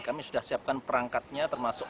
kami sudah siapkan perangkatnya termasuk